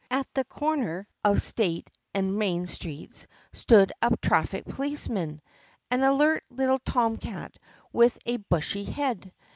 At the corner of State and Main Streets stood a traffic policeman — an alert little tom cat with a bushy head.